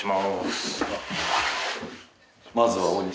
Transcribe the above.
まずは大西。